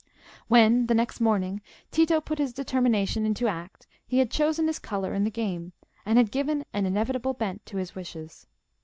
When, the next morning, Tito put this determination into act he had chosen his colour in the game, and had given an inevitable bent to his wishes.